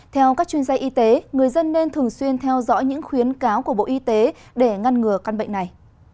theo các chuyên gia y tế người dân nên thường xuyên theo dõi những khuyến cáo của bộ y tế để ngăn ngừa căn bệnh này